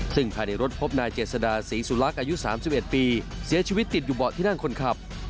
ซึ่งภายในรถพบนายเจษดาศรีสุลักษณ์อายุ๓๑ปีเสียชีวิตติดอยู่เบาะที่นั่งคนขับ